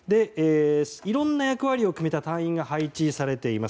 いろんな役割を決めた隊員が配置されています。